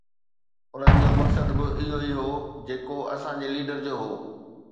انهن جو مقصد به اهو ئي هو جيڪو اسان جي ليڊر جو هو